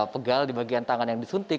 pegal di bagian tangan yang disuntik